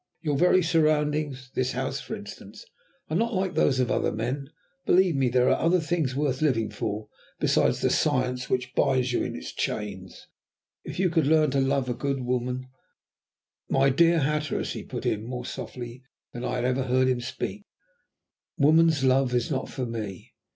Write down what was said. Your very surroundings this house, for instance are not like those of other men. Believe me, there are other things worth living for besides the Science which binds you in its chains. If you could learn to love a good woman " "My dear Hatteras," he put in, more softly than I had ever heard him speak, "woman's love is not for me.